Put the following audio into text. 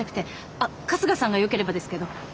あっ春日さんがよければですけど！